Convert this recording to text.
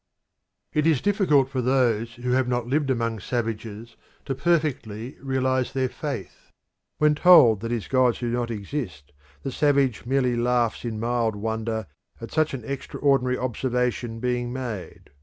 It is difficult for those who have not lived among savages perfectly to realise their faith. When told that his gods do not exist the savage merely laughs in mild wonder at such an extraordinary observation being made.